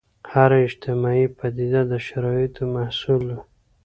هره اجتماعي پدیده د شرایطو محصول وي.